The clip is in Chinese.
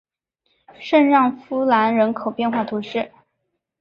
圣让夫兰人口变化图示